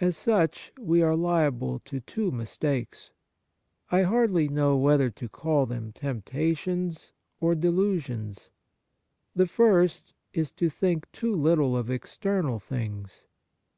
As such, we are liable to two mistakes; I hardly know whether to call them tempta tions or delusions. The first is to think too little of external things.